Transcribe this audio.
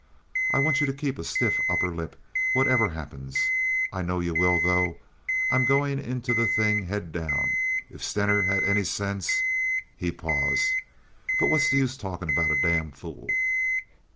I want you to keep a stiff upper lip, whatever happens. I know you will, though. I'm going into the thing head down. If Stener had any sense—" He paused. "But what's the use talking about a damn fool?"